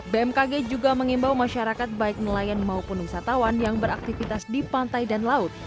bmkg juga mengimbau masyarakat baik nelayan maupun wisatawan yang beraktivitas di pantai dan laut